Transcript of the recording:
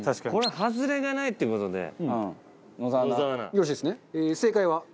よろしいですね？